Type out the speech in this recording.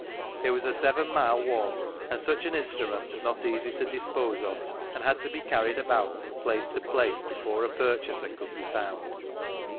It was a seven mile walk, and such an instrument was not easy to dispose of, and had to be carried about from place to place before a purchaser could be found.